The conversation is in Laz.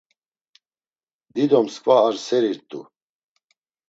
Dido mskva ar seri rt̆u.